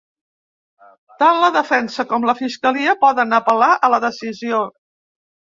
Tant la defensa com la fiscalia poden apel·lar a la decisió.